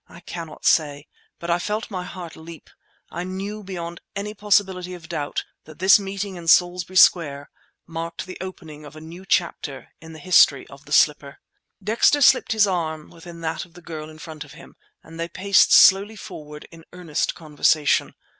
I cannot say, but I felt my heart leap; I knew beyond any possibility of doubt that this meeting in Salisbury Square marked the opening of a new chapter in the history of the slipper. Dexter slipped his arm within that of the girl in front of him and they paced slowly forward in earnest conversation.